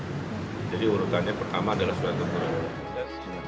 jadi urutannya pertama adalah sebuah teguran